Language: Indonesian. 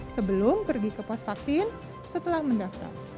sebelum pergi ke pos vaksin setelah mendaftar